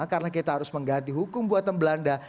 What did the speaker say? karena kita harus mengganti hukum buatan belanda